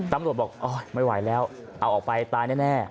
ตำรวจบอกไม่ไหวแล้วเอาออกไปตายแน่